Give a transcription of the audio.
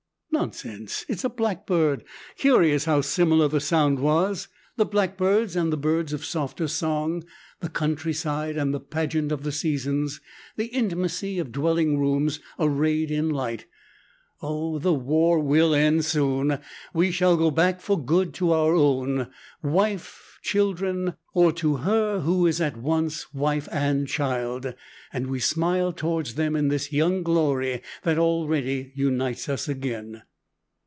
Nonsense it's a blackbird! Curious how similar the sound was! The blackbirds and the birds of softer song, the countryside and the pageant of the seasons, the intimacy of dwelling rooms, arrayed in light Oh! the war will end soon; we shall go back for good to our own; wife, children, or to her who is at once wife and child, and we smile towards them in this young glory that already unites us again.